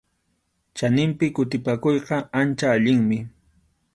Chaninpi kutipakuyqa ancha allinmi.